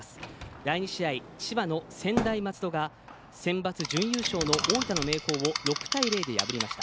第２試合、千葉の専大松戸がセンバツ準優勝の大分の明豊を６対０で破りました。